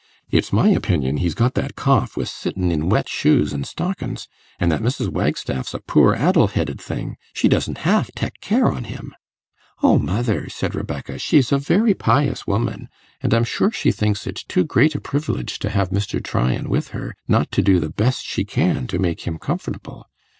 It's my opinion he's got that cough wi' sittin i' wet shoes and stockins; an' that Mrs. Wagstaff's a poor addle headed thing; she doesn't half tek care on him.' 'O mother!' said Rebecca, 'she's a very pious woman. And I'm sure she thinks it too great a privilege to have Mr. Tryan with her, not to do the best she can to make him comfortable.